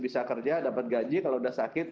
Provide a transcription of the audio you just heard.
bisa kerja dapat gaji kalau sudah sakit